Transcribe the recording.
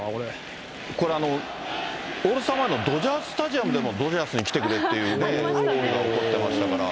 これ、オールスター前のドジャースタジアムでも、ドジャーズに来てくれって起こってましたから。